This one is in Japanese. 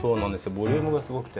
ボリュームがすごくて。